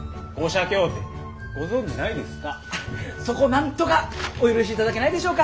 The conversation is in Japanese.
あっそこをなんとかお許しいただけないでしょうか？